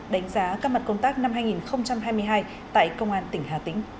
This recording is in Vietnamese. đánh giá các mặt công tác năm hai nghìn hai mươi hai tại công an tỉnh hà tĩnh